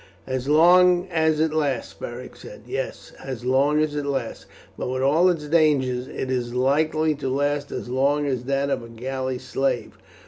"As long as it lasts," Beric said. "Yes, as long as it lasts. But with all its dangers it is likely to last as long as that of a galley slave.